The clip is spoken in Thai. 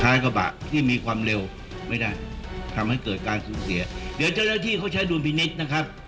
กระบะที่มีความเร็วไม่ได้ทำให้เกิดการสูญเสียเดี๋ยวเจ้าหน้าที่เขาใช้ดุลพินิษฐ์นะครับ